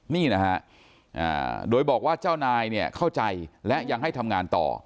นี่นะฮะโดยบอกว่าเจ้านายเนี่ยเข้าใจและยังให้ทำงานต่อ